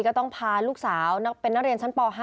ก็ต้องพาลูกสาวเป็นนรชันทศ๕